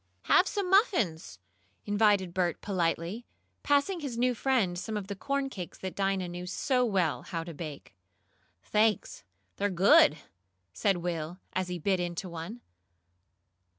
"Have some muffins," invited Bert politely, passing his new friend some of the corn cakes that Dinah knew so well how to bake. "Thanks! They're good!" said Will, as he bit into one.